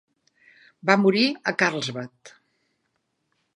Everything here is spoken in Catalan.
Va morir a Karlsbad.